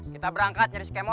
kita berangkat nyari skemon